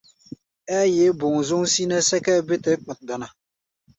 Ɛ́ɛ́ yeé boŋzoŋ sínɛ́ sɛ́kʼɛ́ɛ́ bé tɛɛ́ kpa dana.